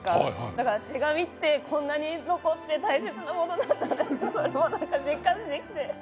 だから手紙ってこんなに残って大切なものだったんだって実感できて。